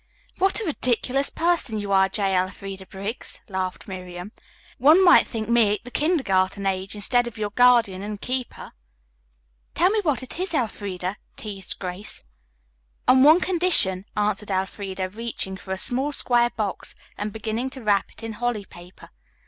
"What a ridiculous person you are, J. Elfreda Briggs," laughed Miriam. "One might think me at the kindergarten age, instead of your guardian and keeper." "Tell me what it is, Elfreda," teased Grace. "On one condition," answered Elfreda, reaching for a small square box and beginning to wrap it in holly paper.